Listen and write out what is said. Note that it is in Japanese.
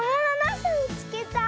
すみつけた。